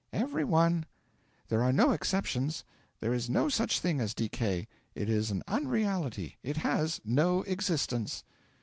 'Every one; there are no exceptions; there is no such thing as decay it is an unreality, it has no existence.'